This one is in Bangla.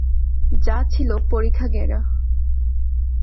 যা ছিল পরিখা ঘেরা।